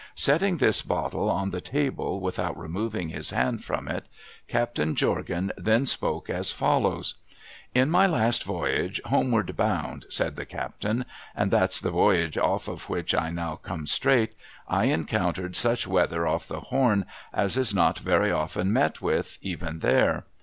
Setting this bottle on the tabic without removing his hand from it. Captain Jorgan then si)ake as follows :—' In my last voyage homeward bound,' said the captain, ' and that's the voyage off of which I now come straight, I encountered such weather off the Horn as is not very often met with, even there.